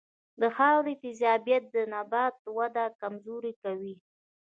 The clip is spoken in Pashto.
د خاورې تیزابیت د نبات وده کمزورې کوي.